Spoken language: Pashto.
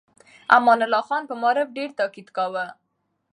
امان الله خان په معارف ډېر تاکيد کاوه.